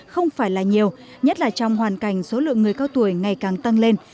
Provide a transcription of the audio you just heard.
không phải là nhiều nhất là trong hoàn cảnh số lượng người cao tuổi ngày càng tăng lên